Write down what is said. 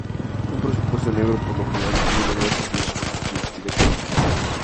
Un presupuesto negro por lo general cubre los gastos relacionados con la investigación militar.